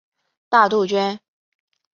大杜鹃。